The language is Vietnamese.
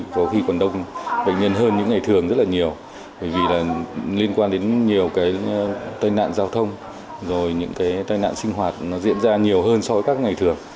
có khi còn đông bệnh nhân hơn những ngày thường rất là nhiều bởi vì là liên quan đến nhiều cái tai nạn giao thông rồi những cái tai nạn sinh hoạt nó diễn ra nhiều hơn so với các ngày thường